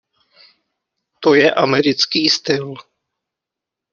To je americký styl.